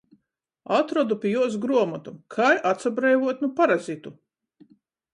Atrodu pi juos gruomotu "Kai atsabreivuot nu parazitu"...